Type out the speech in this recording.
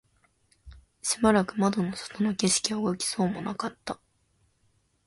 しばらく窓の外の景色は動きそうもなかった